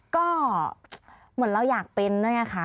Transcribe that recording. ก็เหมือนเราอยากเป็นนะคะ